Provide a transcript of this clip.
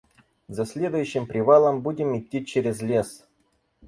За следующим привалом будем идти через лес.